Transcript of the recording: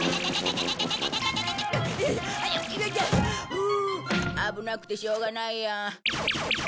ふう危なくてしょうがないよ。